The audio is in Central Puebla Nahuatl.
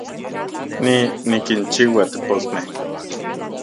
Ni, nikinchiua teposmej